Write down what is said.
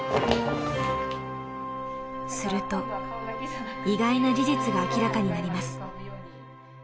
すると意外な事実が明らかになります。